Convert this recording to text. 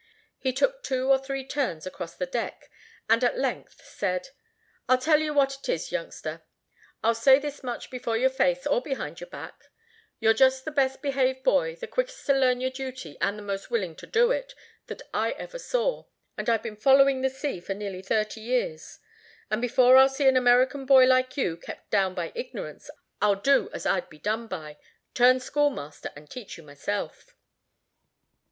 He took two or three turns across the deck, and at length said, "I tell you what it is, youngster: I'll say this much before your face or behind your back: you're just the best behaved boy, the quickest to learn your duty, and the most willing to do it, that I ever saw, and I've been following the sea for nearly thirty years; and before I'll see an American boy like you kept down by ignorance, I'll do as I'd be done by turn schoolmaster, and teach you myself."